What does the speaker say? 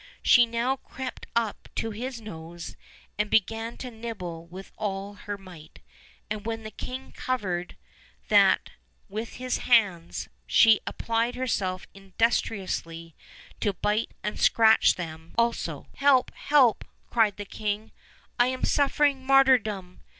She now crept up to his nose, and began to nibble with all her might, and when the king covered that with his hands, she applied herself industriously to bite and scratch them 238 OLD, OLD FAIRY TALES. also. "Help, help," cried the king, "I am suffering martyrdom!"